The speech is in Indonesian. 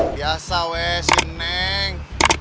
biasa weh seneng